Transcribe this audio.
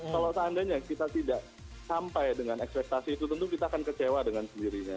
kalau seandainya kita tidak sampai dengan ekspektasi itu tentu kita akan kecewa dengan sendirinya